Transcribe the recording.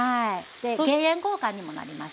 で減塩効果にもなります。